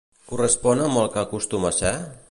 Correspon amb el que acostuma a ser?